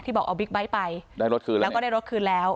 บอกเอาบิ๊กไบท์ไปได้รถคืนแล้วแล้วก็ได้รถคืนแล้ว